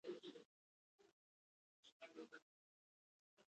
رقیب زما د زده کړو محرک دی